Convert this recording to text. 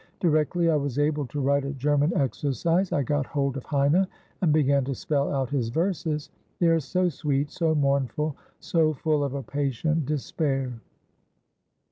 Directly I was able to write a German exercise, I got hold of Heine, and began to spell out his verses. They are so sweet, so mournful, so full of a patient despair.'